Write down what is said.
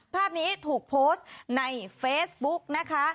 ภาพนี้ถูกโพสต์ในเฟซบุ๊กนะคะ